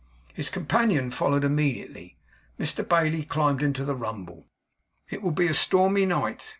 His companion followed immediately. Mr Bailey climbed into the rumble. 'It will be a stormy night!